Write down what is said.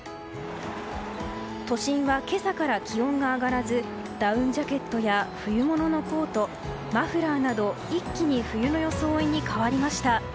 都心は今朝から気温が上がらずダウンジャケットや冬物のコートマフラーなど一気に冬の装いに変わりました。